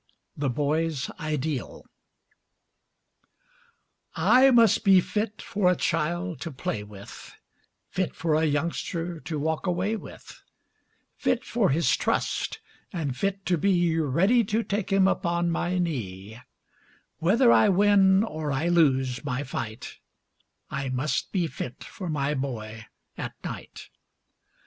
THE BOY'S IDEAL I must be fit for a child to play with, Fit for a youngster to walk away with; Fit for his trust and fit to be Ready to take him upon my knee; Whether I win or I lose my fight, I must be fit for my boy at night.